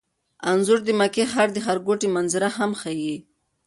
انځور د مکې ښار د ښارګوټي منظره هم ښيي.